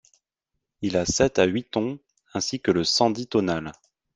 Il a sept à huit tons, ainsi que le sandhi tonal.